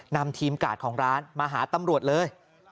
นำทีมกาดของร้านมาหาตำรวจเลย